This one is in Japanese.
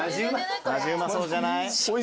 マジうまそうじゃない？